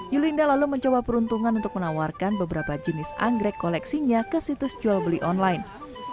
yulinda lalu mencoba peruntungan untuk menawarkan beberapa jenis anggrek koleksinya ke situs jual beli online